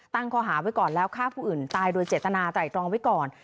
ตั้งข้อหาไว้ก่อนแล้วฆ่าผู้อื่นตายโดยเจตนาไตรตรองไว้ก่อน